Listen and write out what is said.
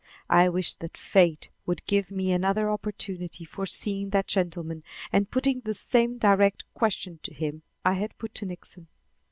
I wished that fate would give me another opportunity for seeing that gentleman and putting the same direct question to him I had put to Nixon.